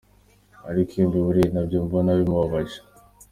Ariko iyo mbimubwiye nabyo mbona bimubabaje.